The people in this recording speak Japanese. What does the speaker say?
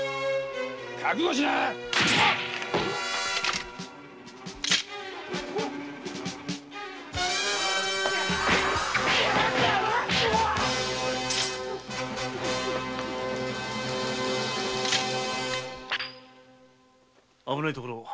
覚悟しな危ないところを。